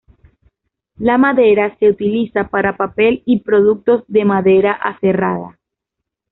La madera se utiliza para papel y productos de madera aserrada.